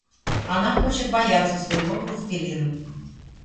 Она хочет бояться своего властелина.